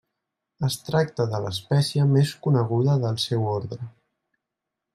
Es tracta de l'espècie més coneguda del seu ordre.